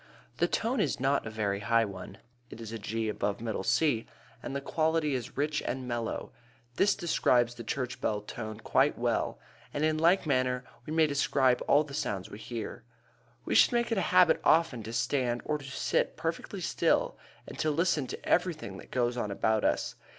The tone is not a very high one (it is G above middle C) and the quality is rich and mellow. This describes the church bell tone quite well, and in like manner we may describe all the sounds we hear. We should make it a habit often to stand or to sit perfectly still and to listen to everything that goes on about us.